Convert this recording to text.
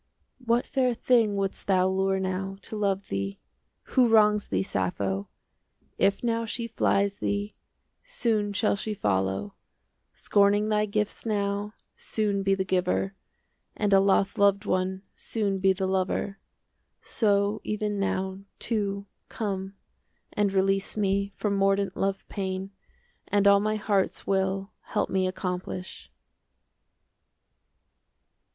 "What fair thing wouldst thou Lure now to love thee? "Who wrongs thee, Sappho? 25 If now she flies thee, Soon shall she follow;— Scorning thy gifts now, Soon be the giver;— And a loth loved one 30 "Soon be the lover." So even now, too, Come and release me From mordant love pain, And all my heart's will 35 Help me accomplish!